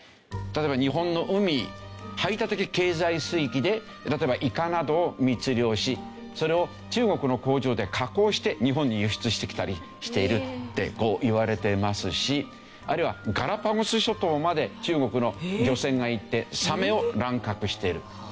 例えば日本の海排他的経済水域で例えばイカなどを密漁しそれを中国の工場で加工して日本に輸出してきたりしているっていわれてますしあるいはガラパゴス諸島まで中国の漁船が行ってサメを乱獲している。